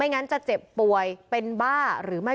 วิทยาลัยศาสตรี